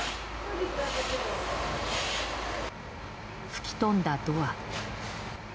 吹き飛んだドア。